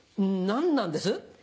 何なんです？